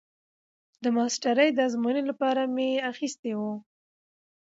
د ماسترۍ د ازموينې لپاره مې اخيستي وو.